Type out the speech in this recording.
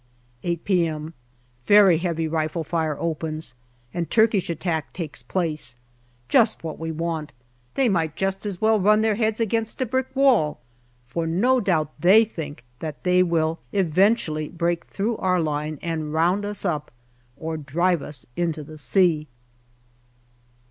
8 p.m. Very heavy rifle fire opens, and Turkish attack takes place. Just what we want ; they might just as well run their heads against a brick wall, but no doubt they think that they will eventually break through our line and round us up, or drive us into the sea.